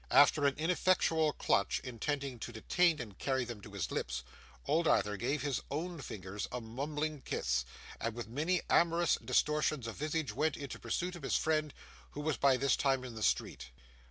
After an ineffectual clutch, intended to detain and carry them to his lips, old Arthur gave his own fingers a mumbling kiss, and with many amorous distortions of visage went in pursuit of his friend, who was by this time in the street.